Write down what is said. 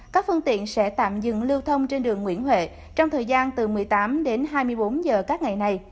các phương tiện sẽ tạm dừng lưu thông trên đường nguyễn huệ trong thời gian từ một mươi tám đến hai mươi bốn giờ các ngày này